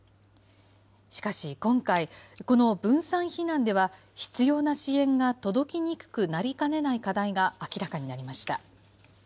しかし今回、この分散避難では、必要な支援が届きにくくなりかねない課題が明らかになりました。